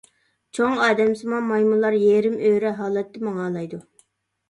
چوڭ ئادەمسىمان مايمۇنلار يېرىم ئۆرە ھالەتتە ماڭالايدۇ.